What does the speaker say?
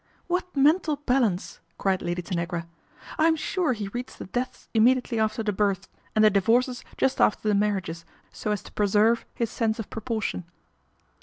" What mental balance !" cried Lady Tanagra. " I'm sure he reads the deaths immediately after the births, and the divorces just after the marriages so as to preserve his sense of proportion."